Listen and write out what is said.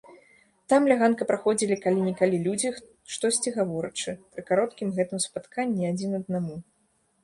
Там ля ганка праходзілі калі-нікалі людзі, штосьці гаворачы, пры кароткім гэтым спатканні, адзін аднаму.